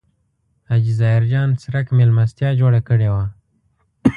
حاجي ظاهر جان څرک مېلمستیا جوړه کړې وه.